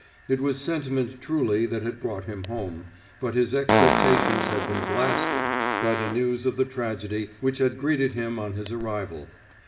It was sentiment truly that had brought him home, but his expectations had been blasted by the news of the tragedy which had greeted him on his arrival.